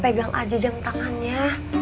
pegang aja jam tangannya